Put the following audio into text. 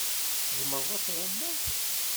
Tzemreḍ ad tɛummeḍ.